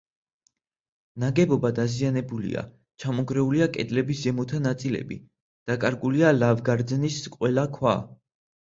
ნაგებობა დაზიანებულია: ჩამონგრეულია კედლების ზემოთა ნაწილები, დაკარგულია ლავგარდნის ყველა ქვა.